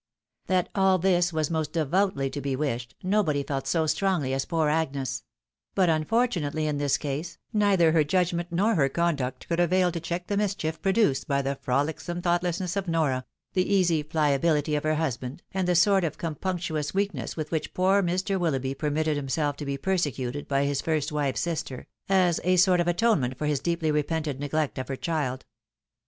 That all this was most devoutly to be wished, nobody felt so strongly as poor Agnes ; but xmfortunately in this case, neither her judgment nor her conduct could avail to check the inischief produced by the frolicsome thoughtlessness of Nora — ^the easy pliability of her husband, and the sort of compunctuous weak ness with which poor Mr. WiUoughby permitted himself to be persecuted by his first wife's sister, as a sort of atonement for AJT AGREEABLE COMPANION. 189 Lis deeply repented neglect of her child.